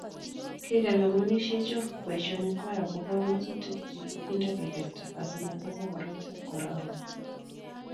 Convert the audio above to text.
kiker kampunisiechu boisionikwach akubo ng'atutik che kikinde kekerta asimatesaka koroitab korona